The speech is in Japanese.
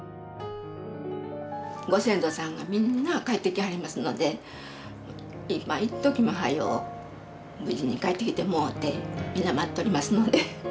ご先祖さんがみんな帰ってきはりますので一時も早う無事に帰ってきてもろうてみんな待っとりますので。